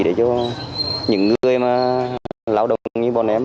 để cho những người mà lao động như bọn em